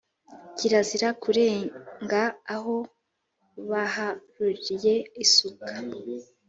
Kirazira kurenga aho baharuriye isuka,